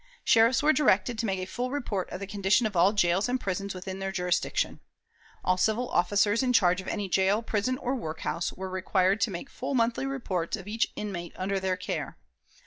Sheriffs were directed to make a full report of the condition of all jails and prisons within their jurisdiction. All civil officers in charge of any jail, prison, or workhouse, were required to make full monthly reports of each inmate under their care.